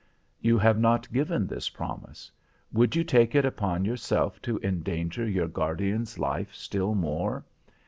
"You have not given this promise. Would you take it upon yourself to endanger your guardian's life still more?